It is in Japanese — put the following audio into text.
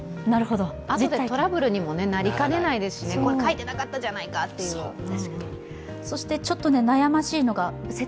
後でトラブルにもなりかねないですね、書いていなかったじゃないかってね。